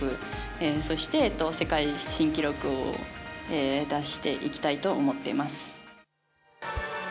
そして世界新記録を出していきたいと思っています。